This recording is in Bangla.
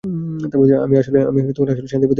আমি আসলে শান্তিই প্রতিষ্ঠা করছি।